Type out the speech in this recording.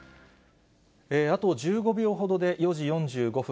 あと１５秒ほどで４時４５分、